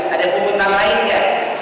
ada penghutan lainnya